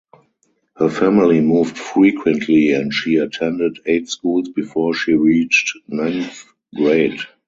Her family moved frequently and she attended eight schools before she reached ninth grade.